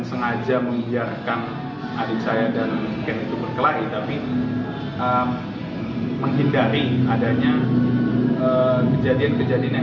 sengaja membiarkan adik saya dan ken itu berkelahi tapi menghindari adanya kejadian kejadian yang